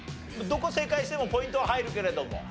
どこ正解してもポイントは入るけれども。